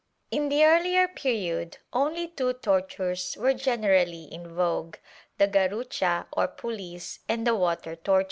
In the earlier period only two tortures were generally in vogue — the garrucha or pulleys and the water torture.